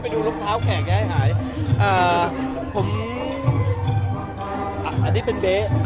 ไปดูรถเท้าแขกให้หายอ่าผมอันนี้เป็นเบ๊